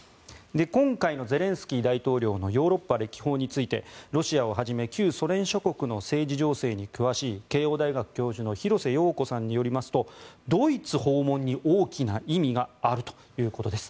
今回のゼレンスキー大統領のヨーロッパ歴訪についてロシアをはじめ旧ソ連諸国の政治情勢に詳しい慶應大学教授の廣瀬陽子さんによりますとドイツ訪問に大きな意味があるということです。